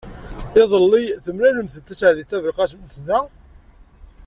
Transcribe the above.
Iḍelli, temlalemt-d Taseɛdit Tabelqasemt da.